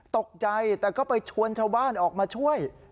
ตกใจแต่ก็ไปชวนชาวบ้านออกมาช่วย